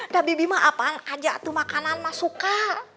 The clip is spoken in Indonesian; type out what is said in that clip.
nah bibi mah apaan aja tuh makanan mah suka